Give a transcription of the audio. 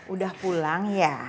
udah pulang ya